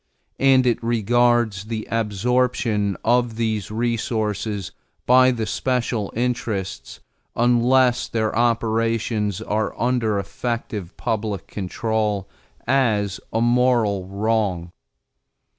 And it regards the absorption of these resources by the special interests, unless their operations are under effective public control, as a moral wrong.